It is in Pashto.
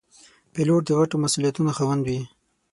پیلوټ د غټو مسوولیتونو خاوند وي.